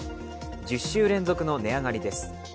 １０週連続の値上がりです。